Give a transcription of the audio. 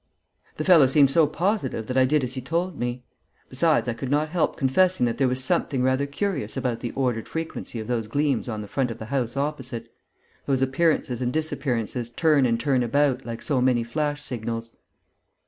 The fellow seemed so positive that I did as he told me. Besides, I could not help confessing that there was something rather curious about the ordered frequency of those gleams on the front of the house opposite, those appearances and disappearances, turn and turn about, like so many flash signals.